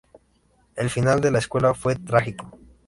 El final de la escuela fue trágico.